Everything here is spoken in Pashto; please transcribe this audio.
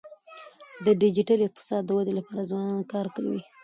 د ډیجیټل اقتصاد د ودی لپاره ځوانان کار کوي.